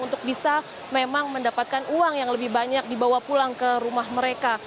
untuk bisa memang mendapatkan uang yang lebih banyak dibawa pulang ke rumah mereka